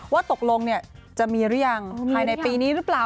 ว่าตกลงจะมีหรือยังภายในปีนี้หรือเปล่า